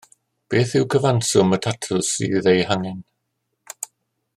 Beth ydi cyfanswm y tatws sydd eu hangen?